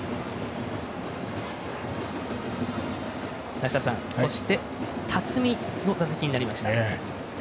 梨田さん、そして辰己の打席になりました。